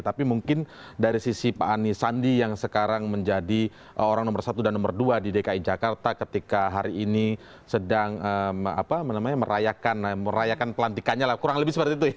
tapi mungkin dari sisi pak anies sandi yang sekarang menjadi orang nomor satu dan nomor dua di dki jakarta ketika hari ini sedang merayakan pelantikannya lah kurang lebih seperti itu ya